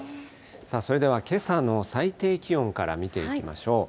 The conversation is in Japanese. それでは、けさの最低気温から見ていきましょう。